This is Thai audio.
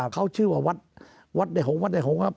เขาชื่อว่าวัดในหงค์วัดในหงค์